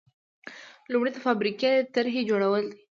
لومړی د فابریکې د طرحې جوړول دي.